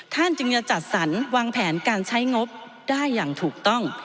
ท่านจึงจะจัดสรรวางแผนการใช้งบได้อย่างถูกต้อง